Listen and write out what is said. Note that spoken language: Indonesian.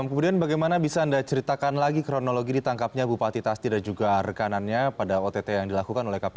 kemudian bagaimana bisa anda ceritakan lagi kronologi ditangkapnya bupati tasti dan juga rekanannya pada ott yang dilakukan oleh kpk